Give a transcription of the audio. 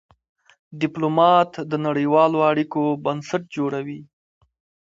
ډيپلومات د نړېوالو اړیکو بنسټ جوړوي.